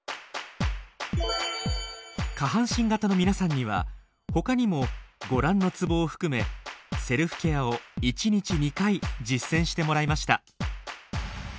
下半身型の皆さんにはほかにもご覧のツボを含めセルフケアを１日２回実践してもらいました。